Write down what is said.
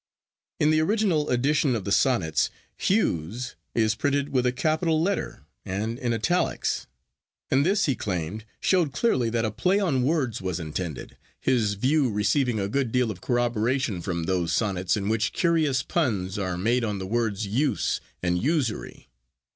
'In the original edition of the Sonnets "Hews" is printed with a capital letter and in italics, and this, he claimed, showed clearly that a play on words was intended, his view receiving a good deal of corroboration from those sonnets in which curious puns are made on the words "use" and "usury."